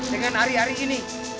dengan ari ari ini